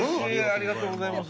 ありがとうございます。